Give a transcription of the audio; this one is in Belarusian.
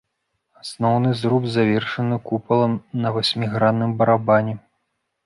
Асноўны зруб завершаны купалам на васьмігранным барабане.